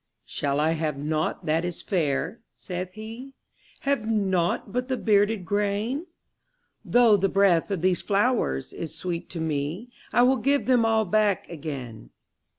``Shall I have nought that is fair?'' saith he; ``Have nought but the bearded grain? Though the breath of these flowers is sweet to me, I will give them all back again.''